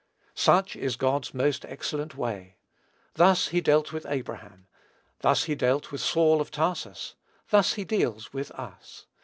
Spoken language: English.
Such is God's most excellent way. Thus he dealt with Abraham. Thus he dealt with Saul of Tarsus. Thus he deals with us.